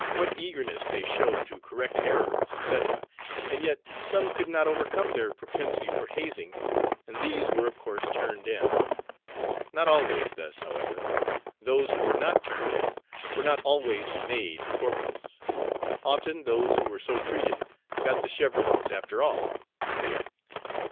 What eagerness they showed to correct errors, etc. And yet some could not overcome their propensity for hazing, and these were of course turned in. Not always thus, however. Those who were not "turned in" were not always "made" corporals. Often those who were so treated "got the chevrons" after all.